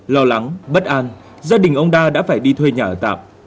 lo lắng bất an gia đình ông đa đã phải đi thuê nhà ở tạm